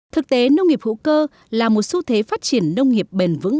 thực tế nông nghiệp hữu cơ là một xu thế phát triển nông nghiệp bền vững